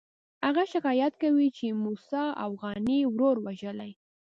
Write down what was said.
هغه شکایت کوي چې موسی اوغاني ورور وژلی.